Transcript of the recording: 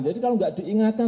jadi kalau enggak diingatkan